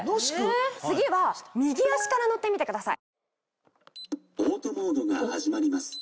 次は右足から乗ってみてください。